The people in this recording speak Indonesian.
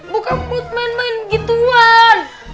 bukan buat main main begituan